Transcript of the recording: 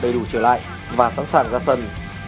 đầy đủ trở lại và sẵn sàng ra sân